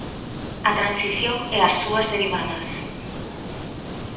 A transición e a súas derivadas.